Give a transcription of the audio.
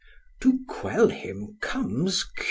To quell him comes Q.